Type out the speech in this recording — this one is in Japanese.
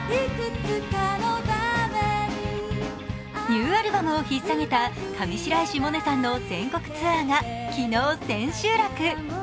ニューアルバムをひっさげた上白石萌音さんが全国ツアーが昨日、千秋楽。